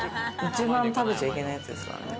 一番食べちゃいけないやつですからね。